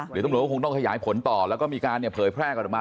เดี๋ยวตำรวจก็คงต้องขยายผลต่อแล้วก็มีการเนี่ยเผยแพร่กันออกมา